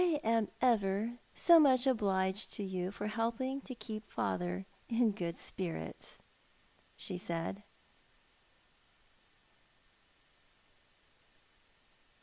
" I am ever so much obliged to you for helping to keep father in good spirits," she said.